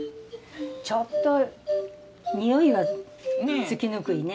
ちょっとにおいはつきにくいね。